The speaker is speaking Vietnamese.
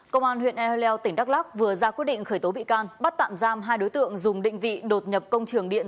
công an huyện ehleu tỉnh đắk lắc vừa ra quyết định khởi tố bị can bắt tạm giam hai đối tượng dùng định vị đột nhập công trường điện